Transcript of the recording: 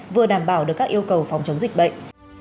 vừa đảm bảo được các yêu cầu phòng chống dịch bệnh